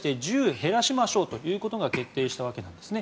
減らしましょうということが決定したわけなんですね。